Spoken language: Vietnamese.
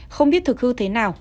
không biết thực hư thế nào